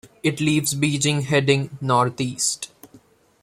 It leaves Beijing heading north-east.